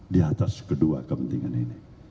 di atas kedua kepentingan ini